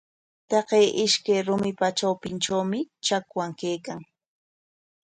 Taqay ishkay rumipa trawpintrawmi chakwan kaykan.